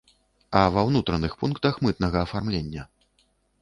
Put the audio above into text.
А ва ўнутраных пунктах мытнага афармлення!